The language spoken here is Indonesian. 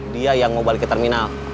dia yang mau balik ke terminal